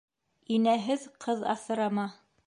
Инәһеҙ ҡыҙ аҫырама.